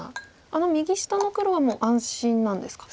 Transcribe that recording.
あの右下の黒はもう安心なんですか。